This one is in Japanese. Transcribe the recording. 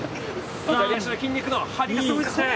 左足の筋肉の張りがすごいですね。